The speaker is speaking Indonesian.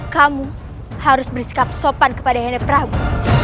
kamu harus berisikap sopan kepada hena prabu